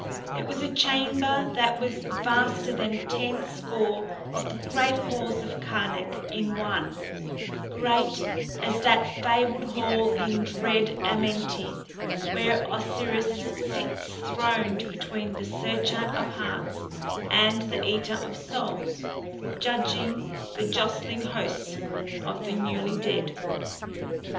It was a chamber that was vaster than ten score of the Great Halls of Karnac in one; great as that fabled hall in dread Amenti where Osiris sits throned between the Searcher of Hearts and the Eater of Souls, judging the jostling hosts of the newly dead.